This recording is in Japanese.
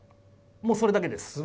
もうそれだけです。